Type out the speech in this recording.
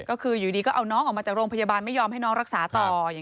ก็คืออยู่ดีก็เอาน้องออกมาจากโรงพยาบาลไม่ยอมให้น้องรักษาต่อ